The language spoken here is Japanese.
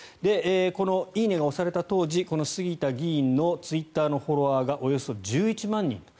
この「いいね」が押された当時杉田議員のツイッターのフォロワーがおよそ１１万人。